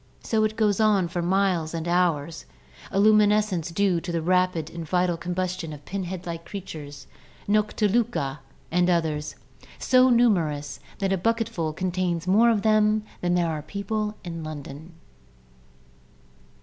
So it goes on for miles and hours — a luminescence due to the rapid vital combustion of pinhead like creatures (Nocliluca and others), so numerous that a bucketful contains more of them than there are people in London.